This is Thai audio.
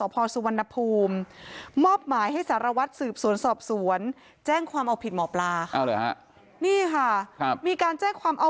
คุณผู้ชมคะที่จังหวัดร้อยเอ็ดเนี่ยค่ะ